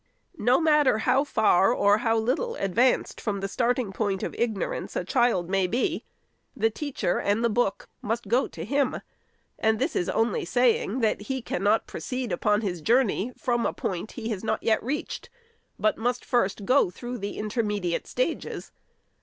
No matter how far, or how little, advanced from the starting point of ignorance a child may be, the teacher and the book must go to him. And this is only saying, that he cannot proceed upon his jour ney from a point not yet reached, but must first go through the intermediate stages.